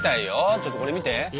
ちょっとこれ見て。